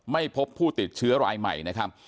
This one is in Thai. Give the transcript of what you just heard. ไม่พบผู้ติดเชื้อรายใหม่นะครับ